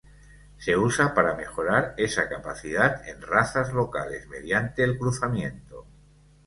Se usa para mejorar esa capacidad en razas locales mediante el cruzamiento.